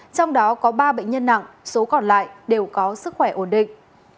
trong đó có ba bệnh nhân nặng số còn lại đều có sức khỏe ổn định